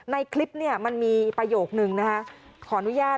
ในคลิปมันมีประโยคหนึ่งนะคะ